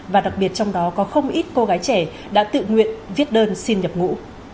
và đặc biệt trong đó có không ít cô gái trẻ đã tự nguyện viết đơn xin nhập ngũ